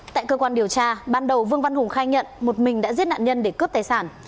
tại cơ quan điều tra ban đầu vương văn hùng khai nhận một mình đã giết nạn nhân để cướp tài sản